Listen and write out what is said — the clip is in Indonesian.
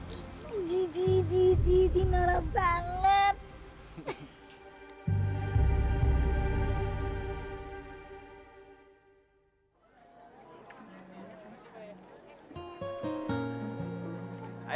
kamu cantik dan dikagumi sama laki laki lelaki